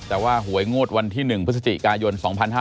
แต่ว่าหวยงวดวันที่๑พฤศจิกายน๒๕๕๙